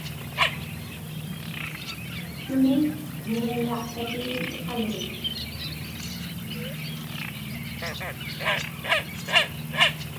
Sumi niġiñiaqpatigiŋ iqaluit?